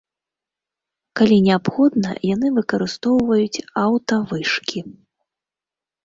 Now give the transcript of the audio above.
Калі неабходна, яны выкарыстоўваюць аўтавышкі.